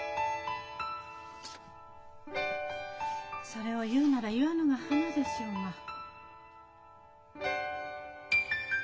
それを言うなら「言わぬが花」でしょうが。うっ。